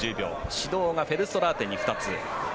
指導がフェルストラーテンに２つ。